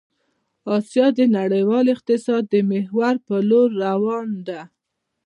آسيا د نړيوال اقتصاد د محور په لور روان ده